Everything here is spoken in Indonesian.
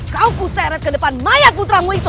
kau puseret ke depan mayat putramu itu